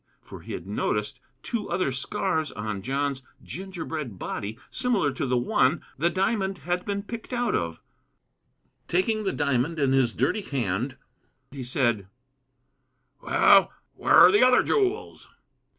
For he had noticed two other scars on John's gingerbread body, similar to the one the diamond had been picked out of. Taking the diamond in his dirty hand he said: "Well, where are the other jewels?"